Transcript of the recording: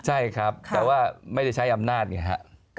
ใช่ครับแต่ว่าไม่ได้ใช้อำนาจไงฮะ